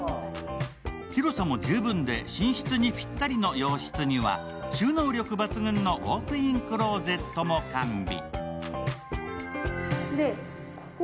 広さも十分で寝室にぴったりの洋室には収納力抜群のウォークインクローゼットも完備。